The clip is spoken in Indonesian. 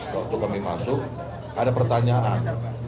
waktu kami masuk ada pertanyaan